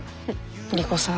莉子さん